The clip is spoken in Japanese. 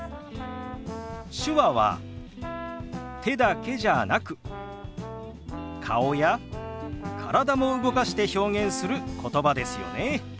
手話は手だけじゃなく顔や体も動かして表現することばですよね。